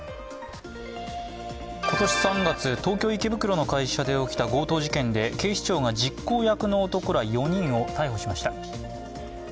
今年３月、東京・池袋の会社で起きた強盗事件で警視庁が実行役の男ら４人を逮捕しました。